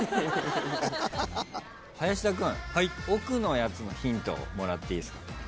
林田君奥のやつのヒントをもらっていいですか？